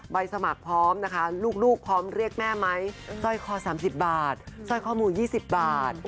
ใบสมัครพร้อมนะคะลูกพร้อมเรียกแม่ไหมสร้อยคอ๓๐บาทสร้อยคอหมู๒๐บาท